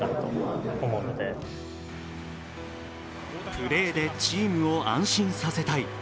プレーでチームを安心させたい。